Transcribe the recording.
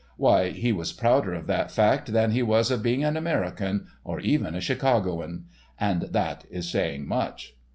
Why, he was prouder of that fact than he was of being an American, or even a Chicagoan—and that is saying much.